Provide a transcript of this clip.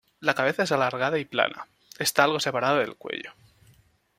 La cabeza es alargada y plana, está algo separada del cuello.